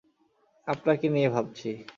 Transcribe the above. আপনাকে নিয়ে ভাবছি।